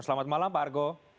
selamat malam pak argo